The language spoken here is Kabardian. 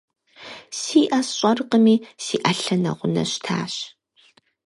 Си ӏэ сщӏэркъыми, си ӏэлъэ нэгъунэ щтащ.